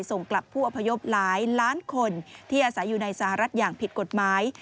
ส่งกลับผู้อพยพหลายล้านคนที่อาศัยอยู่ในสหรัฐอย่างผิดกฎหมาย